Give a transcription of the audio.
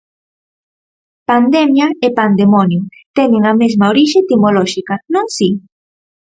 Pandemia e pandemonio teñen a mesma orixe etimolóxica, non si?